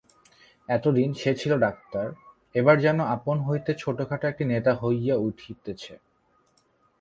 এতদিন সে ছিল ডাক্তার, এবার যেন আপন হইতে ছোটখাটো একটি নেতা হইয়া উঠিতেছে।